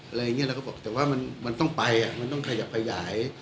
อะไรอย่างนี้เราก็บอกแต่ว่ามันต้องไปมันต้องขยับขยาย